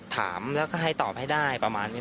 ถามแล้วก็ให้ตอบให้ได้ประมาณนี้